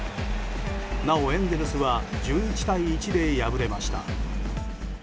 なお、エンゼルスは１１対１で敗れました。